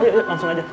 udah langsung aja